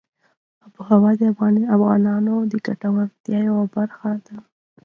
آب وهوا د افغانانو د ګټورتیا یوه برخه ده.